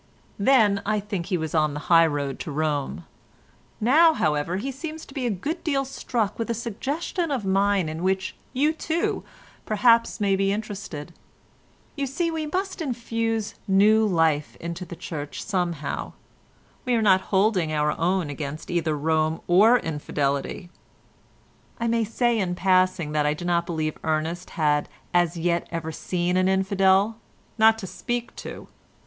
"Then I think he was on the high road to Rome; now, however, he seems to be a good deal struck with a suggestion of mine in which you, too, perhaps may be interested. You see we must infuse new life into the Church somehow; we are not holding our own against either Rome or infidelity." (I may say in passing that I do not believe Ernest had as yet ever seen an infidel—not to speak to.)